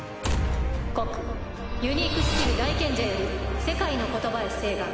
告ユニークスキル大賢者より世界の言葉へ請願。